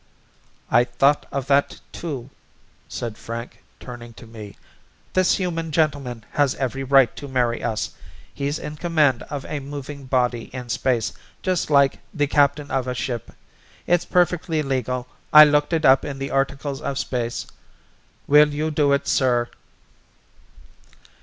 "I thought of that, too," said Frank, turning to me. "This human gentleman has every right to marry us. He's in command of a moving body in space just like the captain of a ship. It's perfectly legal, I looked it up in the Articles of Space. Will you do it, sir?"